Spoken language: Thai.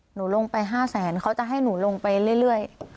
หนูลงไป๕แสนเขาจะให้หนูลงไปเรื่อย